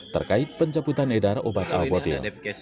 terkait pencaputan edar obat albotil